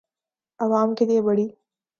آعوام کے لئے بڑی